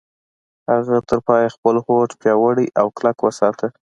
هغه تر پايه خپل هوډ پياوړی او کلک وساته.